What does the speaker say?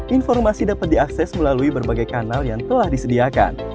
informasi dapat diakses melalui berbagai kanal yang telah disediakan